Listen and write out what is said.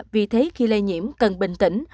vì thế khi lây nhiễm cần bình tĩnh